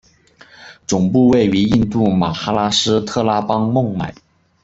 总部位于印度马哈拉施特拉邦孟买。